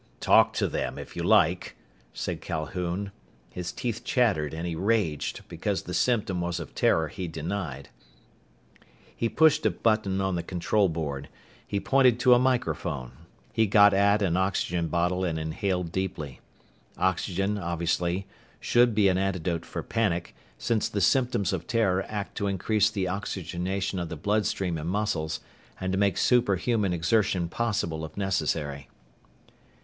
"Talk to them, if you like," said Calhoun. His teeth chattered and he raged, because the symptom was of terror he denied. He pushed a button on the control board. He pointed to a microphone. He got at an oxygen bottle and inhaled deeply. Oxygen, obviously, should be an antidote for panic, since the symptoms of terror act to increase the oxygenation of the bloodstream and muscles, and to make superhuman exertion possible if necessary.